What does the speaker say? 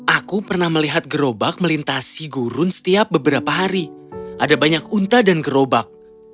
aku pernah melihat gerobak melintasi gurun setiap beberapa hari ada banyak unta dan gerobak